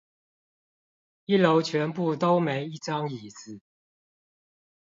一樓全部都沒一張椅子